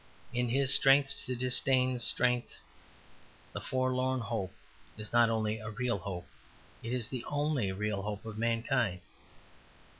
It is his strength to disdain strength. The forlorn hope is not only a real hope, it is the only real hope of mankind.